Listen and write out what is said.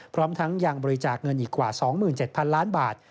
พร้อมทั้งยังบริจาคเงินอีกกว่า๒๗๐๐ล้านบาท